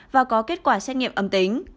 và có kết quả xét nghiệm âm tính